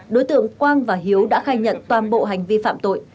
đối tượng quang và hiếu đã khai nhận toàn bộ hành vi phạm tội